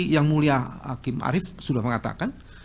yang mulia hakim arief sudah mengatakan